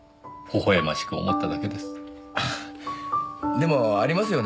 でもありますよね。